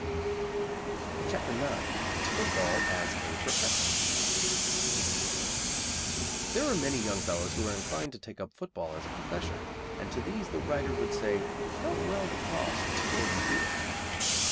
CHAPTER IX. Football as a Profession. There are many young fellows who are inclined to take up football as a profession, and to these the writer would say, "Count well the cost before you do it."